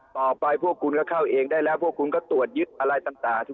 ต่อไปพวกคุณก็เข้าเองได้แล้วพวกคุณก็ตรวจยึดอะไรต่าง